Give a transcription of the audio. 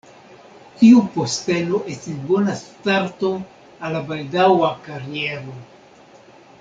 Tiu posteno estis bona starto al la baldaŭa kariero.